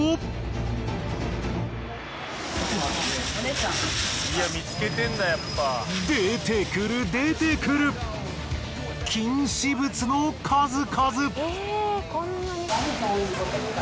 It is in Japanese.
だから出てくる出てくる禁止物の数々。